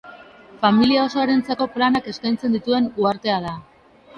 Familia osoarentzako planak eskaintzen dituen uhartea da.